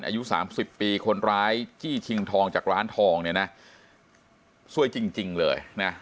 อายุสามสิบปีคนร้ายจี้ชิงทองจากร้านทองเนี่ยนะสวยจริงเลยนะ